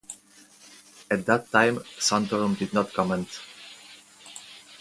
At that time Santorum did not comment.